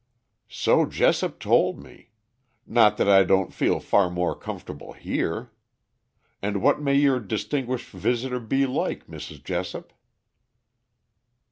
"So Jessop told me. Not that I don't feel far more comfortable here. And what may your distinguished visitor be like, Mrs. Jessop?"